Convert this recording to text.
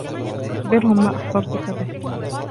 أخبرهم ما أخبرتك بهِ.